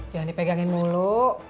jangan dipegangin mulu